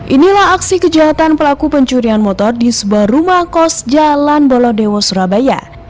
inilah aksi kejahatan pelaku pencurian motor di sebuah rumah kos jalan bolodewo surabaya